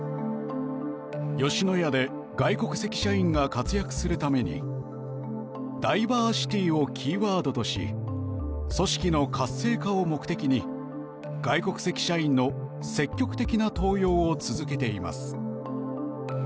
吉野家で外国籍社員が活躍するためにダイバーシティーをキーワードとし組織の活性化を目的に外国籍社員の積極的な登用を続けています。